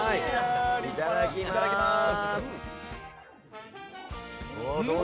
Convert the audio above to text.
いただきます。